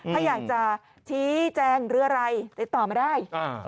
ถ้าอยากจะชี้แจงหรืออะไรติดต่อมาได้